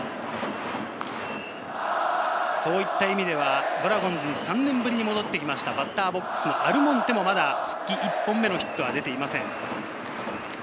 そういった意味ではドラゴンズ、３年ぶりに戻ってきました、バッターボックス、アルモンテもまだ復帰１本目のヒットが出ていません。